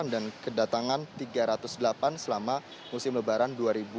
dan kedatangan tiga ratus delapan selama musim lebaran dua ribu delapan belas